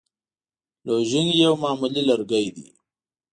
لوژینګ یو معمولي لرګی دی.